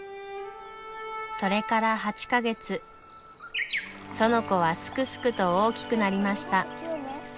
それから８か月園子はすくすくと大きくなりました。